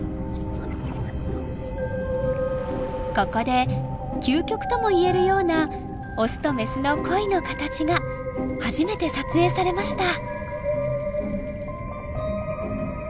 ここで究極ともいえるようなオスとメスの恋の形が初めて撮影されました。